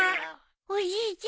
おじいちゃん！